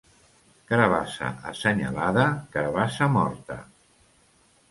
Carabassa assenyalada, carabassa morta.